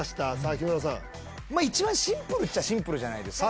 木村さんまあ一番シンプルっちゃシンプルじゃないですか